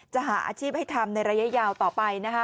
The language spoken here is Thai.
จะหาอาชีพให้ทำในระยะยาวต่อไป